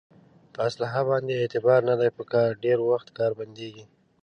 په اصلحه باندې اعتبار نه دی په کار ډېری وخت کار بندېږي.